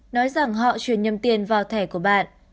nói rằng họ chuyển nhầm tiền vào thẻ của bạn